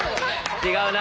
違うな！